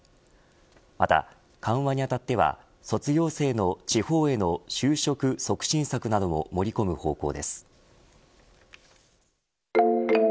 また緩和にあたっては卒業生の地方への就職促進策なども盛り込む方向です。